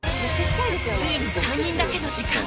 ついに３人だけの時間